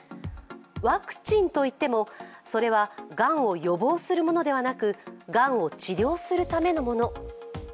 ワクチンといっても、それはがんを予防するものではなくがんを治療するためのもの。